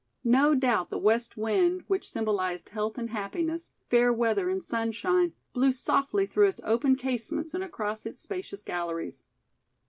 No doubt the west wind, which symbolized health and happiness, fair weather and sunshine, blew softly through its open casements and across its spacious galleries.